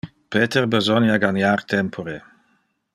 Peter besonia de ganiar tempore.